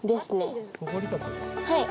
はい。